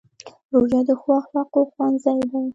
روژه د ښو اخلاقو ښوونځی دی.